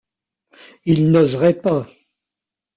Ils n’oseraient pas.